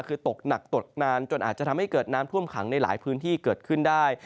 คือตกหนักตกนานจนอาจจะทำให้เกิดน้ำท่วมขังในหลายพื้นที่เกิดขึ้นได้